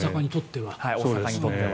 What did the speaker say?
大阪にとっては。